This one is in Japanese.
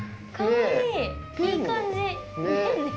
いい感じ！